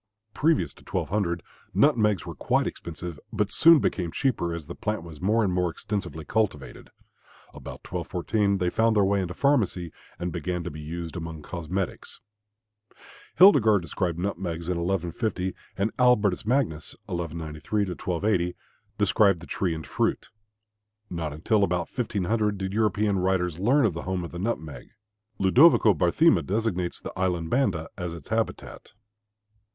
Previous to 1200 nutmegs were quite expensive, but soon became cheaper as the plant was more and more extensively cultivated. About 1214 they found their way into pharmacy and began to be used among cosmetics. Hildegard described nutmegs in 1150, and Albertus Magnus (1193 1280) described the tree and fruit. Not until about 1500 did European writers learn the home of the nutmeg. Ludovico Barthema designates the island Banda as its habitat.